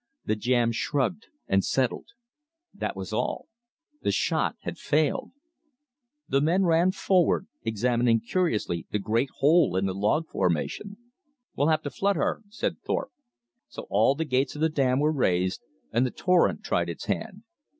The jam shrugged and settled. That was all; the "shot" had failed. The men ran forward, examining curiously the great hole in the log formation. "We'll have to flood her," said Thorpe. So all the gates of the dam were raised, and the torrent tried its hand.